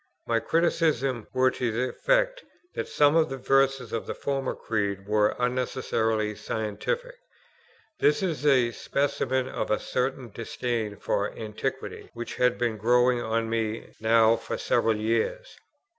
My criticisms were to the effect that some of the verses of the former Creed were unnecessarily scientific. This is a specimen of a certain disdain for Antiquity which had been growing on me now for several years.